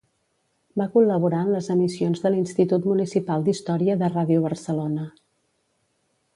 Va col·laborar en les emissions de l'Institut Municipal d'Història de Ràdio Barcelona.